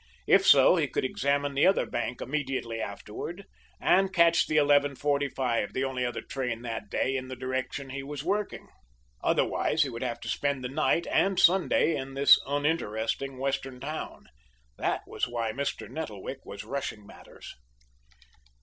If so, he could examine the other bank immediately afterward, and catch the 11.45, the only other train that day in the direction he was working. Otherwise, he would have to spend the night and Sunday in this uninteresting Western town. That was why Mr. Nettlewick was rushing matters.